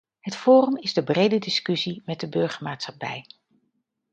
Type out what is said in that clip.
Het forum is de brede discussie met de burgermaatschappij.